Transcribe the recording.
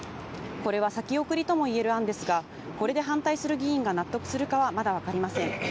これは先送りともいえる案ですが、これで反対する議員が納得するかは、まだわかりません。